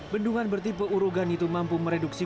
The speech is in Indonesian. bendungan bertipe urogan itu mampu mereduksi